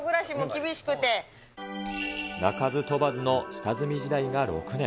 鳴かず飛ばずの下積み時代が６年。